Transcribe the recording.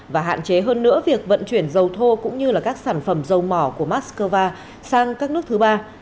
và hạn chế hơn nữa việc vận chuyển dầu thô cũng như các sản phẩm dầu mỏ của moscow sang các nước thứ ba